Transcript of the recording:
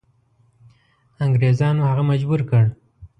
انګریزانو هغه مجبور کړ.